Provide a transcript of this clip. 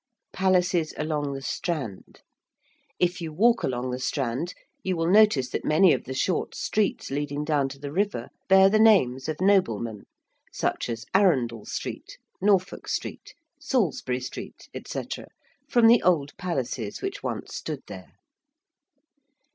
~palaces along the Strand~: if you walk along the Strand you will notice that many of the short streets leading down to the river bear the names of noblemen, such as Arundel Street, Norfolk Street, Salisbury Street, &c. from the old palaces which once stood there.